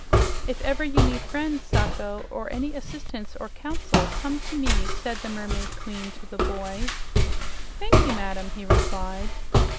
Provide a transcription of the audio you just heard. "If ever you need friends, Sacho, or any assistance or counsel, come to me," said the Mermaid Queen to the boy. "Thank you, madam," he replied.